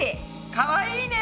かわいいね！